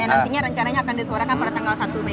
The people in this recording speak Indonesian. yang nantinya rencananya akan disuarakan pada tanggal satu mei